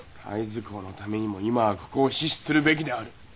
会津公のためにも今はここを死守するべきである。